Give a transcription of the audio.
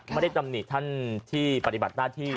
ตำหนิท่านที่ปฏิบัติหน้าที่